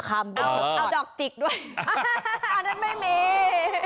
เอาดอกจิกด้วยอันนั้นไม่มี